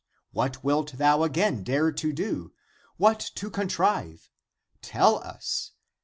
What wilt thou again dare to do, what to contrive ? Tell us.